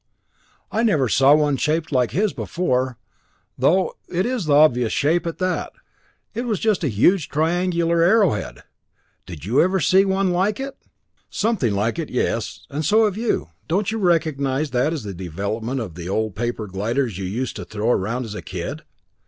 I never saw one shaped like his before, though it is the obvious shape at that! It was just a huge triangular arrowhead! Did you ever see one like it?" "Something like it, yes, and so have you. Don't you recognize that as the development of the old paper gliders you used to throw around as a kid?